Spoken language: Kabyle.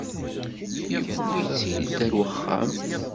Yewwi-tt-id ar wexxam.